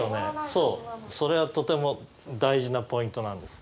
そうそれはとても大事なポイントなんです。